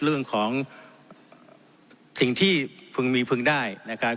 เรื่องของสิ่งที่พึงมีพึงได้นะครับ